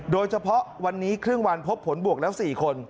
โดยเฉพาะวันนี้ครึ่งวันพบผลบวกแล้ว๔คน